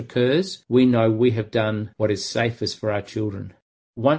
kita tahu kita telah melakukan yang paling aman